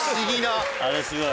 あれすごい。